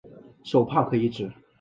手炮可以指